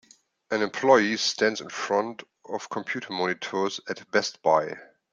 An employee stands in front of computer monitors at Best Buy